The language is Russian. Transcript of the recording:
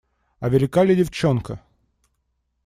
А велика ли девчонка?